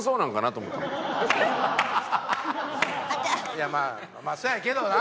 いやまあまあそうやけどな。